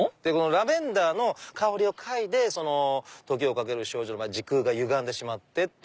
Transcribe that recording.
ラベンダーの香りを嗅いで時をかける少女は時空がゆがんでしまってっていう。